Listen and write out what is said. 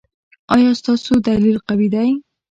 ایا ستاسو دلیل قوي دی؟